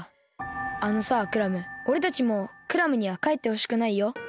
あのさクラムおれたちもクラムにはかえってほしくないよ。